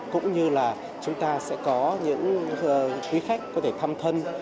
cũng như là chúng ta sẽ có những quý khách có thể thăm thân